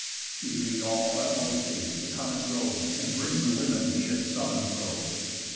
She made all utmost haste to come and go, And bring the women he had summon'd so.